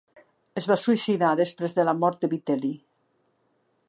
Es va suïcidar després de la mort de Vitel·li.